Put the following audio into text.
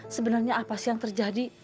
sebenarnya apa sih yang terjadi